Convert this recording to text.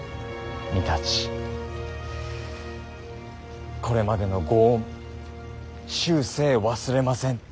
御館これまでのご恩終生忘れません。